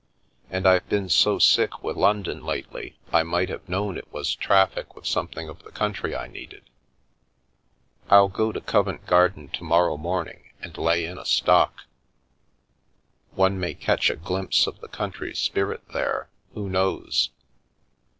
And I've been so sick with London lately I might have known it was traffic with something of the country I needed. Ill go to Covent Garden to morrow morning and lay in a stock. One may catch a glimpse of the country spirit there, who knows